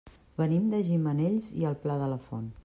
Venim de Gimenells i el Pla de la Font.